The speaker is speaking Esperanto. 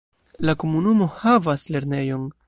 La komunumo havas lernejon.